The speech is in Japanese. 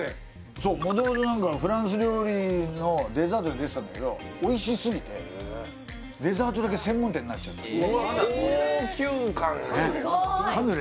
そう元々フランス料理のデザートで出てたんだけどおいしすぎてデザートだけ専門店になっちゃってすごーいカヌレ